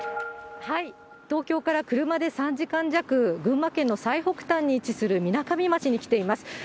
東京から車で３時間弱、群馬県の最北端に位置するみなかみ町に来ています。